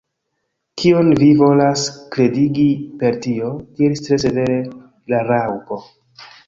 "Kion vi volas kredigi per tio?" diris tre severe la Raŭpo.